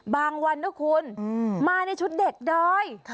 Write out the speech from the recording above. วันนะคุณมาในชุดเด็กดอย